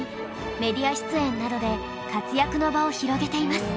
メディア出演などで活躍の場を広げています。